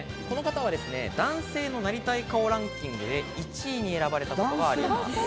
この方は男性のなりたい顔ランキングで１位に選ばれたことがあります。